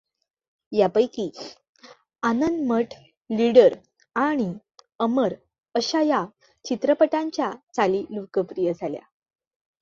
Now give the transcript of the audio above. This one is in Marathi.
यापैकी आनंद मठ लीडर आणि अमर आशा या चित्रपटांच्या चाली लोकप्रिय झाल्या.